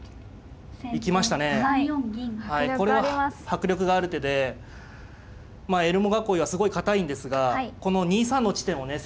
迫力がある手でエルモ囲いはすごい堅いんですがこの２三の地点をね